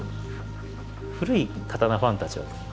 古い刀ファンたちはですね